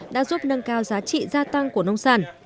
đã giúp nâng cao giá trị gia tăng của nông sản